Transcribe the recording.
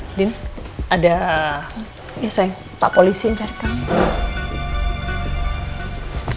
andin ada ya sayang pak polisinya mencari kami